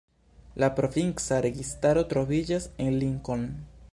La provinca registaro troviĝas en Lincoln.